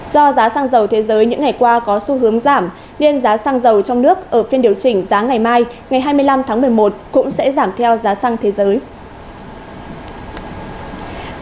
do giá xăng dầu thế giới những ngày qua có xu hướng giảm nên giá xăng dầu trong nước ở phiên điều chỉnh giá ngày mai ngày hai mươi năm tháng một mươi một cũng sẽ giảm theo giá xăng thế giới